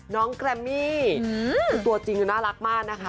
น้องแกรมมี่ตัวจริงน่ารักมากนะคะ